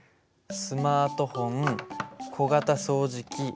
スマートフォン小型掃除機